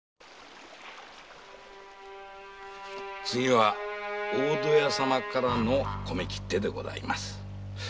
次は大戸屋様からの米切手でございます。